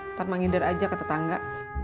ntar menghindar aja ke tetangga